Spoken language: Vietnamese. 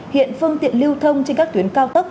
hiện phương tiện lưu thông trên các tuyến cao tốc